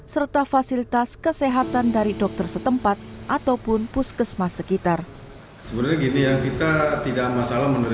serta fasilitas kesehatan dari dokter setempat ataupun puskesmas sekitar